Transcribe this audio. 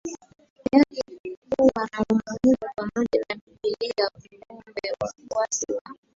yake kuwa na umuhimu pamoja na Biblia Kumbe wafuasi wa